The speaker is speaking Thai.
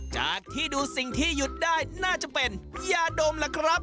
จากที่ดูสิ่งที่หยุดได้น่าจะเป็นยาดมล่ะครับ